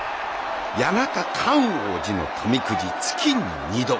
谷中感応寺の富くじ月に２度。